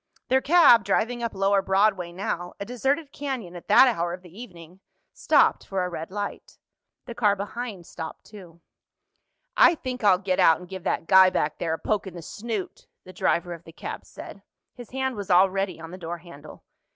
Their cab, driving up lower Broadway now—a deserted canyon at that hour of the evening—stopped for a red light. The car behind stopped too. "I think I'll get out and give that guy back there a poke in the snoot," the driver of the cab said. His hand was already on the door handle.